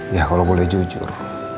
ya kalau boleh jujur